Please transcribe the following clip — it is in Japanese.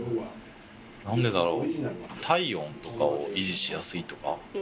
なんでだろう？